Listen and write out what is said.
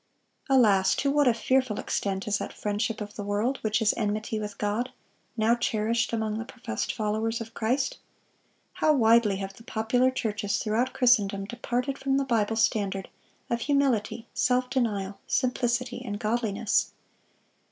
Alas, to what a fearful extent is that friendship of the world which is "enmity with God," now cherished among the professed followers of Christ! How widely have the popular churches throughout Christendom departed from the Bible standard of humility, self denial, simplicity, and godliness!